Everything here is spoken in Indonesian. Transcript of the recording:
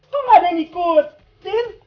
tuh gak ada yang ikutin